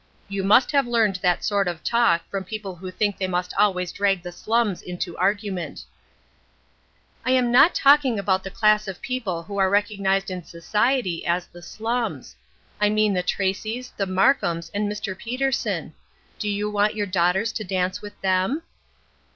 You must have learned that sort of talk from people who think they must always drag the slums into argument." " I am not talking about the class of people who 102 THE OLD QUESTION. are recognized in society as ' the slums.' 1 mean the Tracys, the Markams, and Mr. Peterson. Do you want your daughters to dance with them